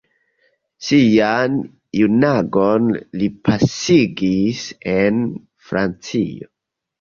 Sian junaĝon li pasigis en Francio.